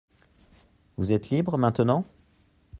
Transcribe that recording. Vous êtes libre maintenant ?